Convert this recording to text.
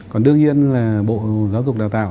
còn đương nhiên là bộ giáo dục đào tạo